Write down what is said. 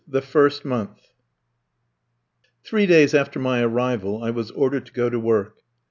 THE FIRST MONTH Three days after my arrival I was ordered to go to work.